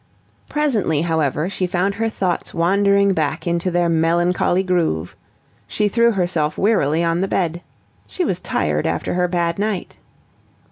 Presently, however, she found her thoughts wandering back into their melancholy groove. She threw herself wearily on the bed. She was tired after her bad night.